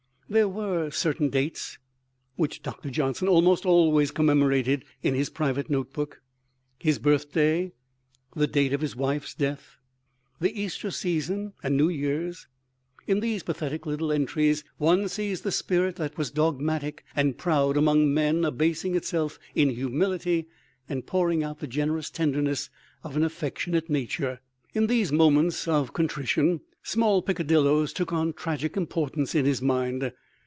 There were certain dates which Doctor Johnson almost always commemorated in his private notebook his birthday, the date of his wife's death, the Easter season and New Year's. In these pathetic little entries one sees the spirit that was dogmatic and proud among men abasing itself in humility and pouring out the generous tenderness of an affectionate nature. In these moments of contrition small peccadilloes took on tragic importance in his mind.